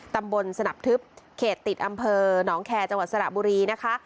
ตำบลสนับทึบเขตติดอำเภอหนองแคร์จังหวัดสระบุรีนะคะ